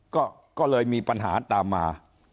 ก็เลยมีปัญหาตามมา